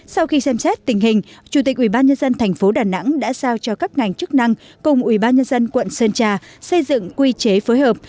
sau khi xem xét tình hình chủ tịch ubnd tp đà nẵng đã giao cho các ngành chức năng cùng ubnd quận sơn trà xây dựng quy chế phối hợp